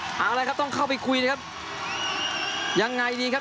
หากอะไรครับต้องเข้าไปคุยนะครับ